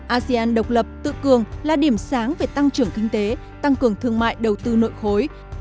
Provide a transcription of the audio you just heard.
asean độc lập tự cường là điểm sáng về tăng trưởng kinh tế tăng cường thương mại đầu tư nội khối